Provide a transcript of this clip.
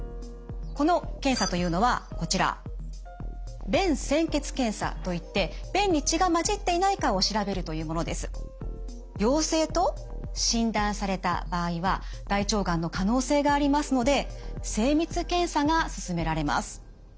この検査というのはこちら陽性と診断された場合は大腸がんの可能性がありますので精密検査がすすめられます。